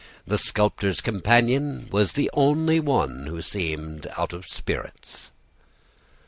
The sculptor's companion was the only one who seemed out of spirits.